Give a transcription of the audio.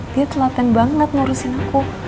dia telaten banget ngurusin aku